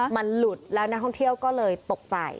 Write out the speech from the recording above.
มันหลุดแล้วนักท่องเที่ยวก็เลยตกใจ